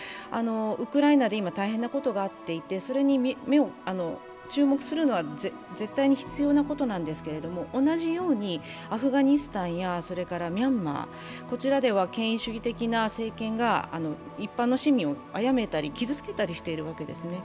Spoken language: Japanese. ウクライナで今、大変なことがあっていてそれに注目するのは絶対に必要なことなんですけれども同じようにアフガニスタンやミャンマー、こちらでは権威主義的な政権が一般の市民を殺めたり、傷つけたりしているわけですよね。